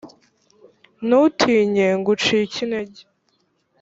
ntutinye, ngo ucike intege!